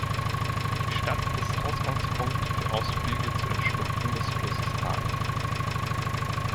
Die Stadt ist Ausgangspunkt für Ausflüge zu den Schluchten des Flusses Tarn.